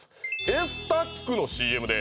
「エスタックのＣＭで」